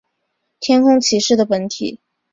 天空骑士的本体。